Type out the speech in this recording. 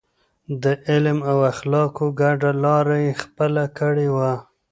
د علم او اخلاقو ګډه لار يې خپله کړې وه.